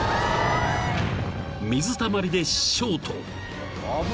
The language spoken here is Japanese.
［水たまりでショート］